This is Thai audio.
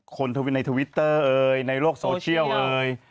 ทวิตในทวิตเตอร์เอ่ยในโลกโซเชียลเอ่ย